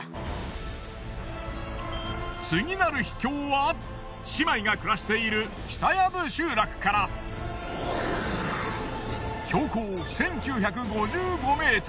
次なる秘境は姉妹が暮らしている久藪集落から標高１，９５５ｍ。